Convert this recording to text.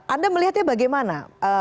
anda melihatnya bagaimana